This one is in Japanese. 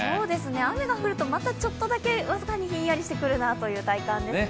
雨が降ると、またちょっとだけ僅かにひんやりしてくるという体感ですね。